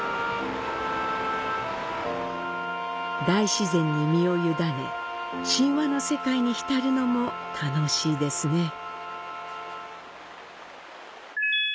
大自然に身をゆだね神話の世界に浸るのも楽しいですね。